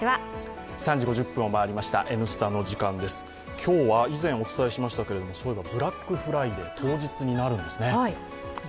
今日は以前お伝えしましたけれどもブラックフライデー当日になるんですね。